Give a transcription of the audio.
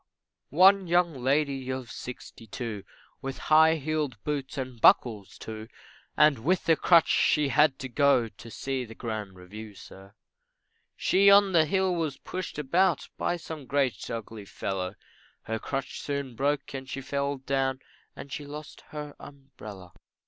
One young lady of sixty two, With high heeled boots and buckles, too, And with a crutch she had to go To see the grand review, sir, She on the hill was pushed about By some great ugly fellow, Her crutch soon broke and she fell down, And she lost her umbrella.